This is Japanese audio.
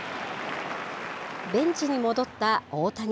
ベンチに戻った大谷。